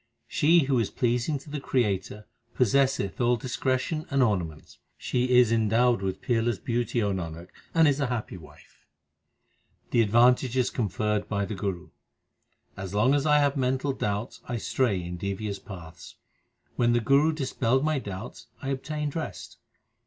She who is pleasing to the Creator possesseth all discretion and ornaments ; She is endowed with peerless beauty, O Nanak, and is a happy wife. The advantages conferred by the Guru : As long as I have mental doubts I stray in devious paths : When the Guru dispelled my doubts I obtained rest.